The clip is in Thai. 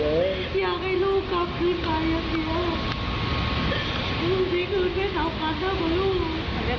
แม่ครับพี่โตเปหอมแก้มซ้ายหอมแก้มขวา